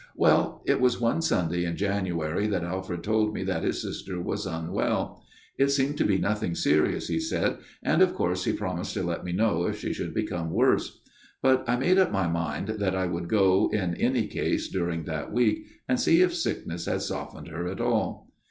" Well, it was one Sunday in January that Alfred told me that his sister was unwell. It seemed to be nothing serious, he said, and of course he promised to let me know if she should FATHER MARTIN'S TALE 175 become worse. But I made up my mind that I would go in any case during that week, and see if sickness had softened her at all.